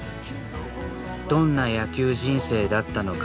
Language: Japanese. どんな野球人生だったのか？